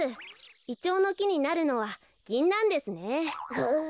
イチョウのきになるのはギンナンですね。